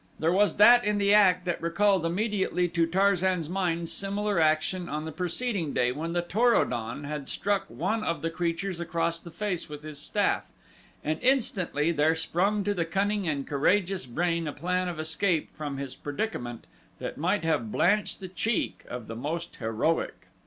There was that in the act that recalled immediately to Tarzan's mind similar action on the preceding day when the Tor o don had struck one of the creatures across the face with his staff, and instantly there sprung to the cunning and courageous brain a plan of escape from his predicament that might have blanched the cheek of the most heroic.